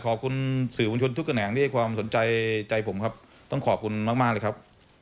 ขอบคุณสื่อมวลชนทุกแขนงที่ให้ความสนใจใจผมครับต้องขอบคุณมากมากเลยครับ